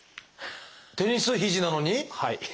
テニス肘なのに？